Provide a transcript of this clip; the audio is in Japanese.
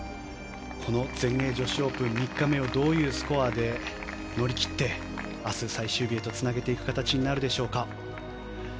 この全英女子オープン３日目をどういうスコアで乗り切って明日最終日へとつなげていく形になるでしょうか。